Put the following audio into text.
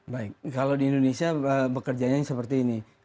baik kalau di indonesia bekerjanya seperti ini